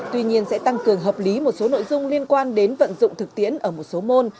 tuy nhiên sẽ tăng cường hợp lý một số nội dung liên quan đến vận dụng thực tiễn ở một số môn